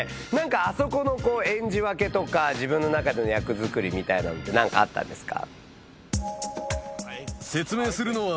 あそこの演じ分けとか自分の中での役作り何かあったんですか？